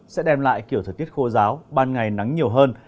sẽ đem lại kiểu thời tiết khô giáo ban ngày nắng nhiều hơn